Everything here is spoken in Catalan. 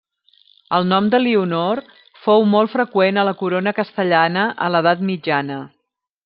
El nom d'Elionor fou molt freqüent a la Corona castellana a l'Edat Mitjana.